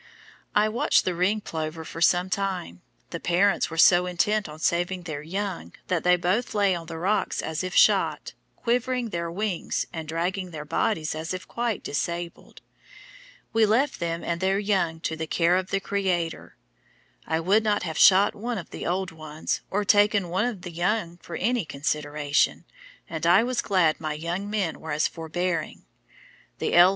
I watched the Ring Plover for some time; the parents were so intent on saving their young that they both lay on the rocks as if shot, quivering their wings and dragging their bodies as if quite disabled. We left them and their young to the care of the Creator. I would not have shot one of the old ones, or taken one of the young for any consideration, and I was glad my young men were as forbearing. The _L.